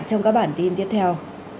trong các bản tin tiếp theo